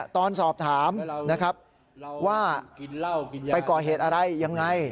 ตอนสอบถามนะครับว่าไปก่อเหตุอะไรยังไง